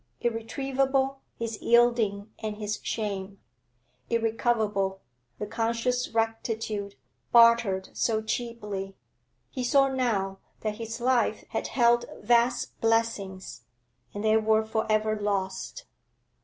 Irretrievable, his yielding and his shame; irrecoverable, the conscious rectitude bartered so cheaply. He saw now that his life had held vast blessings, and they were for ever lost.